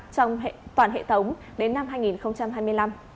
trong toàn hệ thống đến năm hai nghìn hai mươi năm